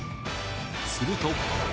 すると。